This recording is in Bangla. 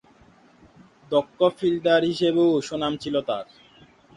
দক্ষ ফিল্ডার হিসেবেও সুনাম ছিল তার।